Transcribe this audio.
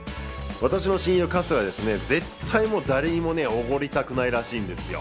私の親友・春日は絶対誰にもおごりたくないらしいですよ。